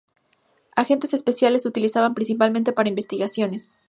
Agentes especiales se utilizan principalmente para investigaciones.